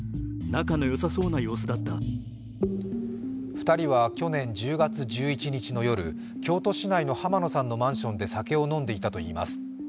２人は去年１０月１１日の夜、京都市内の濱野さんのマンションで酒を飲んでいたといいます。